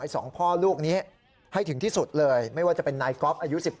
สองพ่อลูกนี้ให้ถึงที่สุดเลยไม่ว่าจะเป็นนายก๊อฟอายุ๑๙